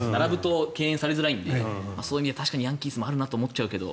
後ろに強打者が並ぶと敬遠されづらいのでそういう意味ではヤンキースもあるなと思っちゃうけど。